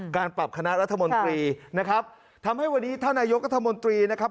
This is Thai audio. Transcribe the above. การปรับคณะรัฐมนตรีนะครับทำให้วันนี้ท่านนายกรัฐมนตรีนะครับ